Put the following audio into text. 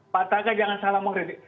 pak taga jangan salah mengkritik